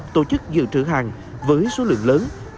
tổ chức dự trữ hàng với số lượng lớn